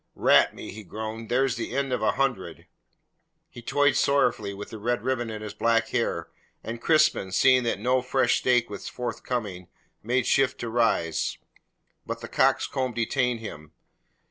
"Rat me," he groaned, "there's the end of a hundred." He toyed sorrowfully with the red ribbon in his black hair, and Crispin, seeing that no fresh stake was forthcoming, made shift to rise. But the coxcomb detained him.